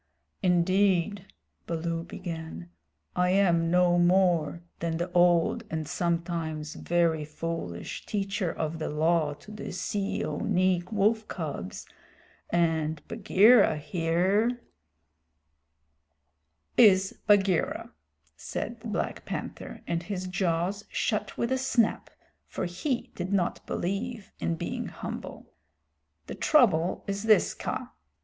"Indeed," Baloo began, "I am no more than the old and sometimes very foolish Teacher of the Law to the Seeonee wolf cubs, and Bagheera here " "Is Bagheera," said the Black Panther, and his jaws shut with a snap, for he did not believe in being humble. "The trouble is this, Kaa.